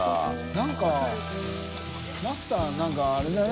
燭マスター何かあれだね。